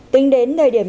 tính đến thời điểm